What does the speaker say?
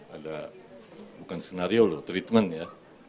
ada bukan skenario loh treatment ya